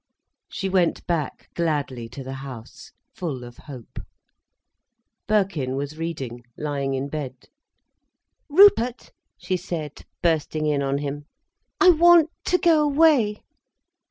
She went back gladly to the house, full of hope. Birkin was reading, lying in bed. "Rupert," she said, bursting in on him. "I want to go away."